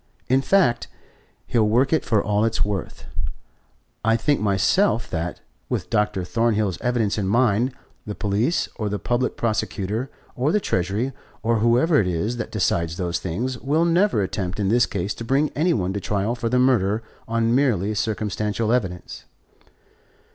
In fact, he'll work it for all it's worth. I think myself that, with Dr. Thornhill's evidence in mind, the police, or the Public Prosecutor, or the Treasury, or whoever it is that decides those things, will never attempt in this case to bring any one to trial for the murder on merely circumstantial evidence."